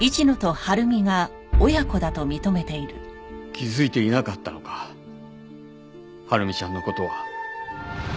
気づいていなかったのか晴美ちゃんの事は。